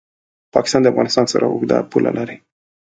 پاکستان د افغانستان سره اوږده پوله لري.